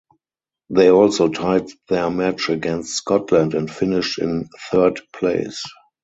They also tied their match against Scotland and finished in third place.